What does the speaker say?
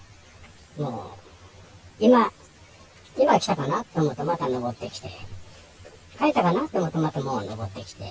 もう今来たかなと思うと、また上ってきて、帰ったかなと思うとまた上ってきて。